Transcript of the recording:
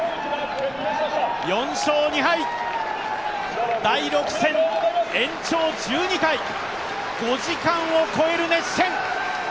４勝２敗、第６戦、延長１２回、５時間を超える熱戦。